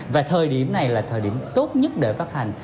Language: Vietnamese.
và thời điểm này là thời điểm tốt nhất để phát hành